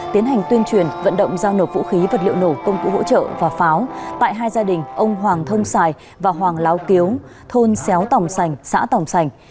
tiến hành tuyên truyền vận động giao nộp vũ khí vật liệu nổ công cụ hỗ trợ và pháo tại hai gia đình ông hoàng thông sài và hoàng láo kiếu thôn xéo tòng sành xã tòng sành